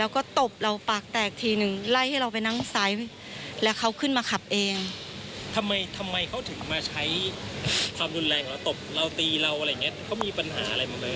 เขามีปัญหาอะไรบ้างด้วยฮะ